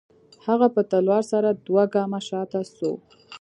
هغه په تلوار سره دوه گامه شاته سوه.